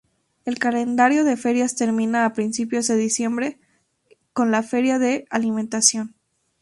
El calendario de ferias termina a principios de diciembre con la Feria de Alimentación.